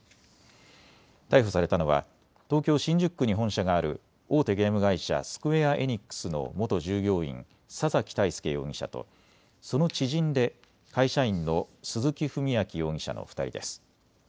逮捕されたのは東京新宿区に本社がある大手ゲーム会社、スクウェア・エニックスの元従業員、佐崎泰介容疑者とその知人で会社員の鈴木文章容疑者の２人です。